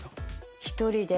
１人で。